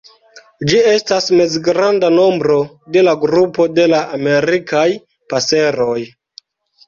Ĝi estas mezgranda membro de la grupo de la Amerikaj paseroj.